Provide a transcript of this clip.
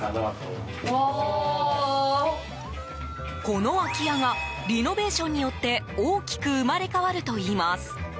この空き家がリノベーションによって大きく生まれ変わるといいます。